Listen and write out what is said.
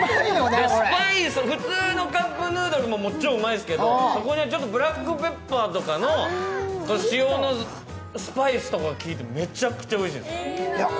普通のカップヌードルのも超うまいですけどこれでちょっとブラックペッパーと塩のスパイスとかが効いててめちゃくちゃおいしい。